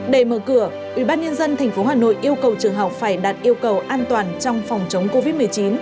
để mở cửa ubnd tp hà nội yêu cầu trường học phải đạt yêu cầu an toàn trong phòng chống covid một mươi chín